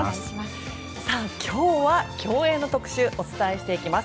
今日は競泳の特集をお伝えしていきます。